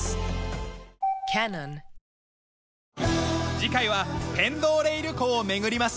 次回はペンド・オレイル湖を巡ります。